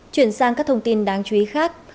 chuyển sang các thông tin đáng chú ý khác